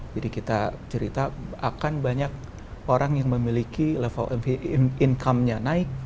kita cerita akan banyak orang yang memiliki level income nya naik